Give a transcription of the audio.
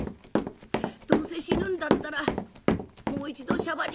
どうせ死ぬんだったらもう一度しゃばに帰りてえなあ。